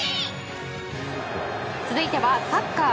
続いては、サッカー。